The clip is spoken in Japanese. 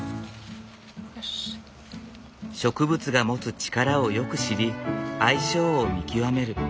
植物が持つ力をよく知り相性を見極める。